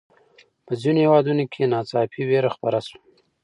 په ځینو هېوادونو کې ناڅاپي ویره خپره شوه.